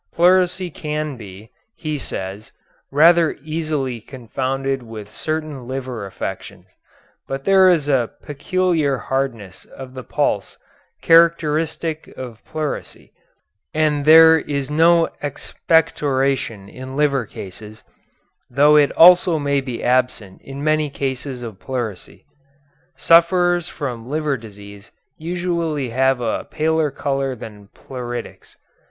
Pleurisy can be, he says, rather easily confounded with certain liver affections, but there is a peculiar hardness of the pulse characteristic of pleurisy, and there is no expectoration in liver cases, though it also may be absent in many cases of pleurisy. Sufferers from liver disease usually have a paler color than pleuritics.